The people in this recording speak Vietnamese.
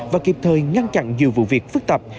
và kịp thời ngăn chặn nhiều vụ việc phức tạp